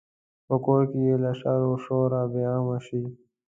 په کور کې یې له شر و شوره بې غمه شي.